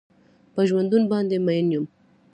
په ژوندون باندې مين يم.